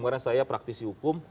karena saya praktisi hukum